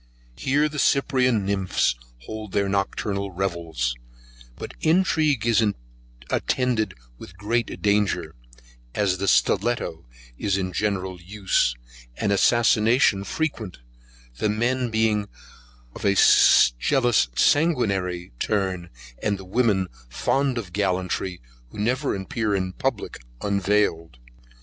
Here the cyprian nymphs hold their nocturnal revels; but intrigue is attended with great danger, as the stilletto is in general use, and assassination frequent, the men being of a jealous sanguinary turn, and the women fond of gallantry, who never appear in public unveiled.